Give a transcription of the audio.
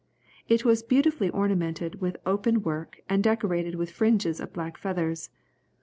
It was beautifully ornamented with open work and decorated with fringes of black feathers.